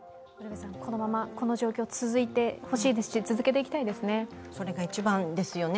このままこの状況続いてほしいですし、続けていきたいですね。